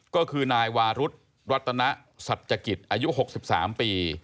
ก็คือนายวารุธรัตนสัจกิจอายุ๖๓ปี